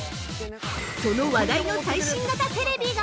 ◆その話題の最新型テレビが！！